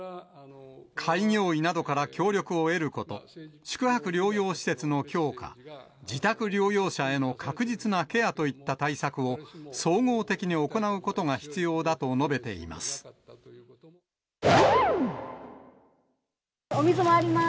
開業医などから協力を得ること、宿泊療養施設の強化、自宅療養者への確実なケアといった対策を総合的に行うことが必要お水もあります。